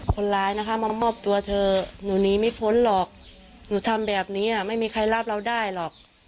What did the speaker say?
คนร้ายนะคะมามอบตัวเถอะหนูหนีไม่พ้นหรอกหนูทำแบบนี้ไม่มีใครรับเราได้หรอก